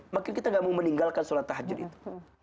makin kita gak mau meninggalkan sholat tahajud itu